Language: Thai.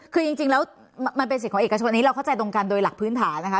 คือจริงแล้วมันเป็นสิทธิ์ของเอกชนนี้เราเข้าใจตรงกันโดยหลักพื้นฐานนะคะ